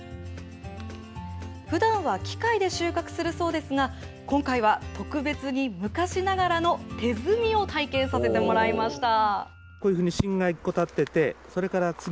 ふだんは機械で収穫するそうですが、今回は特別に昔ながらの手摘みを体験させてもらいました。